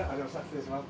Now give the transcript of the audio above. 失礼します。